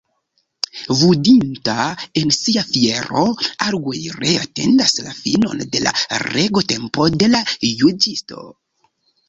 Vundita en sia fiero, Aguirre atendis la finon de la regotempo de la juĝisto.